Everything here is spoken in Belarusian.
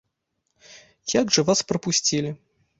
Як жа вас прапусцілі?